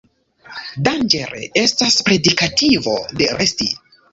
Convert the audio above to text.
Danĝere estas predikativo de resti.